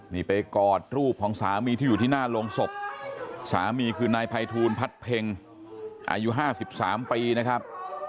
นี่ไปกอดรูปของสามีที่อยู่ที่หน้าโรงศพสามีคือนายภัยทูลพัดเพ็งอายุ๕๓ปีนะครับ